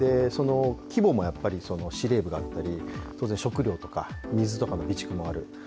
規模もやっぱり司令部があったり、食料とか水とかの備蓄もある。